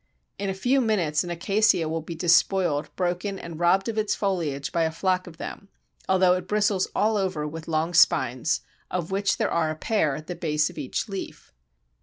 In a few minutes an Acacia will be despoiled, broken, and robbed of its foliage by a flock of them, although it bristles all over with long spines, of which there are a pair at the base of each leaf.